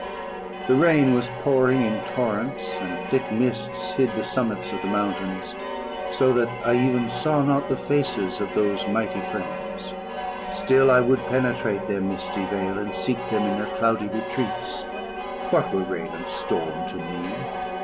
The rain was pouring in torrents, and thick mists hid the summits of the mountains, so that I even saw not the faces of those mighty friends. Still I would penetrate their misty veil, and seek them in their cloudy retreats. What were rain and storm to me?